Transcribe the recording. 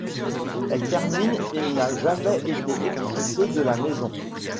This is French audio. Elle termine et n'a jamais été expulsé de la maison.